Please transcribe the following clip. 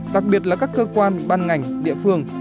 đặc biệt là các cơ quan ban ngành địa phương